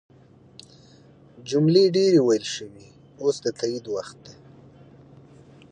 جملې ډیرې ویل شوي اوس د تایید وخت دی.